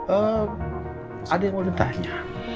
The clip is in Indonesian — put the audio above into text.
ada yang mau ditanya